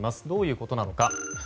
どういうことなのか。